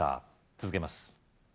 続けます